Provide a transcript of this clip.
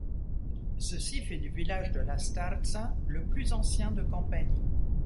Ceci fait du village de La Starza le plus ancien de Campanie.